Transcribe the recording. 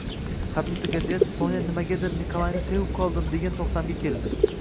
Xatni tugatgach, Sonya nimagadir Nikolayni sevib qoldim degan toʻxtamga keldi